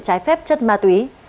trái phép chất ma túy